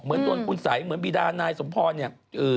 เหมือนโดนปูนสัยเหมือนบีดานายสมพร